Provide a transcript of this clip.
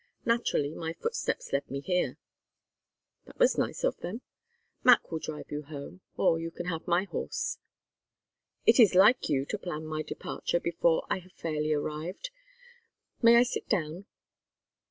Naturally my footsteps led me here." "That was nice of them. Mac will drive you home, or you can have my horse." "It is like you to plan my departure before I have fairly arrived. May I sit down?"